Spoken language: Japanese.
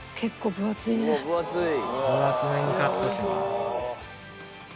分厚めにカットします。